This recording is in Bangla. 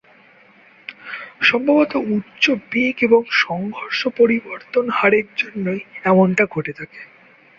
সম্ভবত উচ্চ বেগ এবং সংঘর্ষ পরিবর্তন হারের জন্যই এমনটা ঘটে থাকে।